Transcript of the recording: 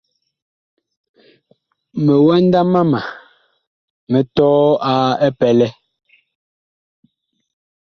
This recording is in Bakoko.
Miwanda mama mi tɔɔ a epɛlɛ.